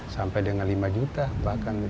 sampai dengan lima juta bahkan